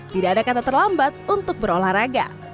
tidak ada kata terlambat untuk berolahraga